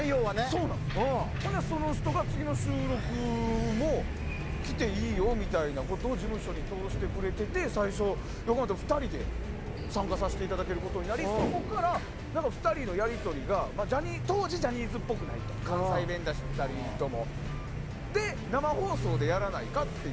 その人が次の収録も来ていいよみたいなことで事務所に通してくれてて横山と２人で参加させていただくことになりそこから、２人のやり取りが当時、ジャニーズっぽくないと関西弁だし、２人とも。生放送でやらないかと。